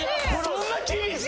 そんな厳しいん？